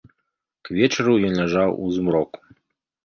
К вечару ён ляжаў у змроку.